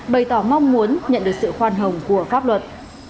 bày tỏ mong muốn nhận được sự khoan hồng của pháp luật